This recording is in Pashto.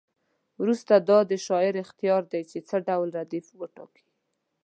وروسته دا د شاعر اختیار دی چې څه ډول ردیف وټاکي.